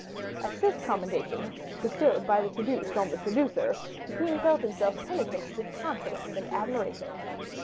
At this commendation, bestowed by the traduced on the traducer, the king felt himself penetrated with confidence and admiration.